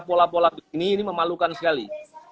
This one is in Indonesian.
pola pola begini ini memalukan sekali